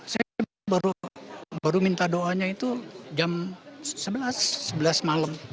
saya baru minta doanya itu jam sebelas sebelas malam